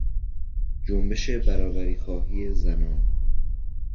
جنبش برابریخواهی زنان